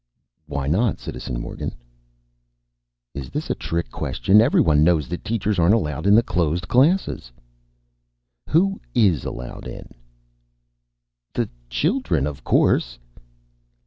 "Why not, Citizen Morgan?" "Is this a trick question? Everyone knows that teachers aren't allowed in the closed classes." "Who is allowed in?" "The children, of course."